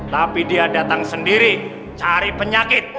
tapi dia datang sendiri cari penyakit